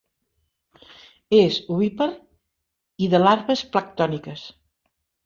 És ovípar i de larves planctòniques.